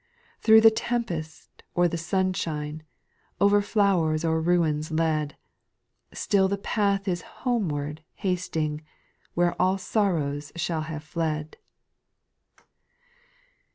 Thro' the tempest, or the sunshine, Over flowers or ruins led. Still the path is homeward hasting. Where all sorrow shall have fled.